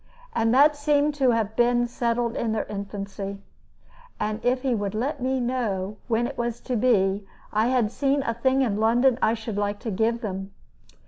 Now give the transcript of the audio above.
And that seemed to have been settled in their infancy. And if he would let me know when it was to be, I had seen a thing in London I should like to give them.